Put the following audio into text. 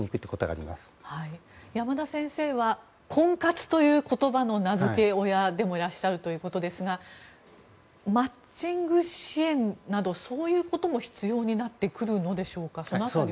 山田先生は婚活という言葉の名付け親でもいらっしゃるということですがマッチング支援などそういうことも必要になってきますか？